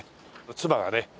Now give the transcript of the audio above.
妻がね